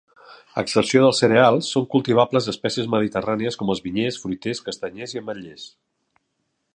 A excepció dels cereals, són cultivables espècies mediterrànies com els vinyers, fruiters, castanyers i ametllers.